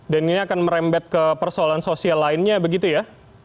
dan ini akan merembet ke persoalan sosial lainnya begitu ya